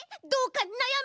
どうかな